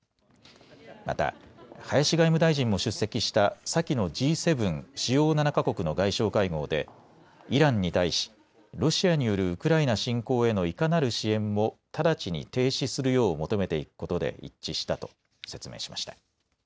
また、林外務大臣も出席した先のＧ７・主要７か国の外相会合でイランに対しロシアによるウクライナ侵攻へのいかなる支援も直ちに停止するよう求めていくことで一致したと説明しました。